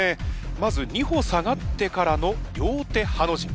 まず２歩下がってからの両手ハの字。